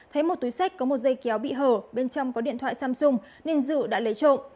thấy một túi sách có một dây kéo bị hở bên trong có điện thoại samsung nên dự đã lấy trộm